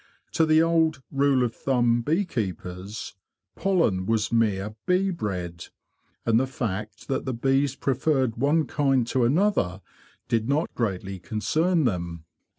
To the old rule of thumb bee keepers pollen was niere bee bread; and the fact that the bees preferred one kind to another did not greatly concern them.